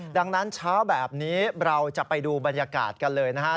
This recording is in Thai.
ดังนั้นเช้าแบบนี้เราจะไปดูบรรยากาศกันเลยนะฮะ